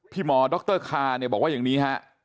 พี่หมอดรคาบอกว่าอย่างนี้ฮะ